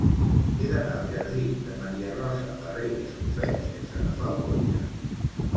He d'anar al jardí de Maria Rosa Farré i Escofet sense agafar el cotxe.